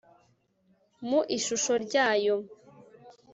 mu ishusho rya yo (x